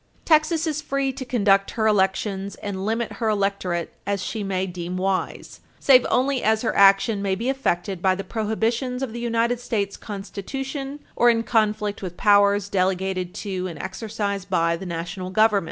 Texas is free to conduct her elections and limit her electorate as she may deem wise, save only as her action may be affected by the prohibitions of the United States Constitution or in conflict with powers delegated to and exercised by the National Government.